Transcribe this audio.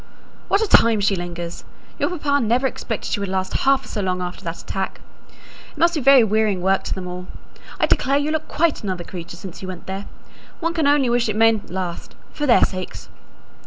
"What a time she lingers! Your papa never expected she would last half so long after that attack. It must be very wearing work to them all; I declare you look quite another creature since you were there. One can only wish it mayn't last, for their sakes."